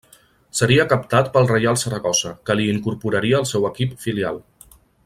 Seria captat pel Reial Saragossa, que l'hi incorporaria al seu equip filial.